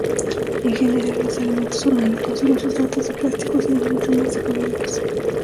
En general, los elementos orgánicos y los sustratos de plástico serán mucho más económicos.